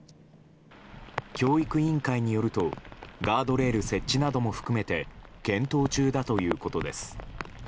教育委員会によるとガードレール設置なども含めて検討中だということです。